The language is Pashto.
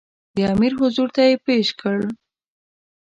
او د امیر حضور ته یې پېش کړ.